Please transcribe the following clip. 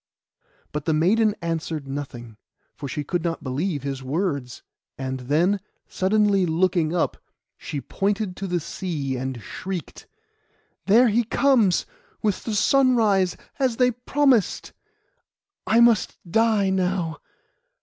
But the maiden answered nothing, for she could not believe his words. And then, suddenly looking up, she pointed to the sea, and shrieked— 'There he comes, with the sunrise, as they promised. I must die now.